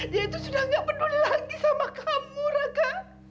dia tuh sudah nggak peduli lagi sama kamu raka